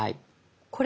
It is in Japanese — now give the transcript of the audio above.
これ？